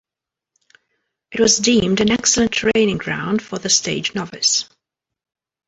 It was deemed an excellent training ground for the stage novice.